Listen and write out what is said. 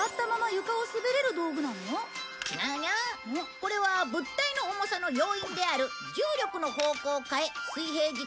これは物体の重さの要因である重力の方向を変え水平軸を傾けて。